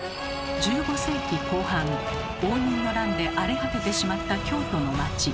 １５世紀後半応仁の乱で荒れ果ててしまった京都の町。